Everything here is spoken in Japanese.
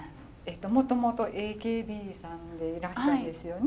もともとＡＫＢさんでいらしたんですよね？